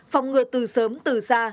phòng ngừa từ sớm từ xa